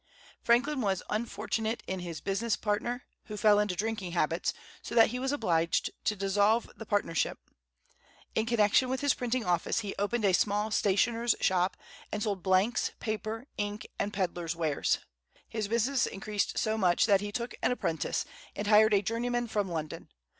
Franklin was unfortunate in his business partner, who fell into drinking habits, so that he was obliged to dissolve the partnership. In connection with his printing office, he opened a small stationer's shop, and sold blanks, paper, ink, and pedler's wares. His business increased so much that he took an apprentice, and hired a journeyman from London.